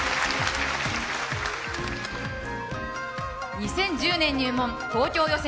２０１０年入門東京予選